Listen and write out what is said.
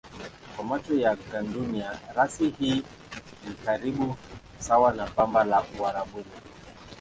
Kwa macho ya gandunia rasi hii ni karibu sawa na bamba la Uarabuni.